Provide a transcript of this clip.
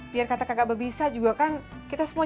biar kata kakak berbisa juga kan kita semua